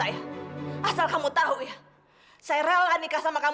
ya gua mau balik aja